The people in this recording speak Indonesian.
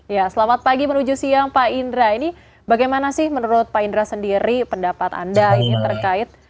ya selamat pagi menuju siang pak indra ini bagaimana sih menurut pak indra sendiri pendapat anda ini terkait